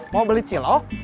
mau beli cilok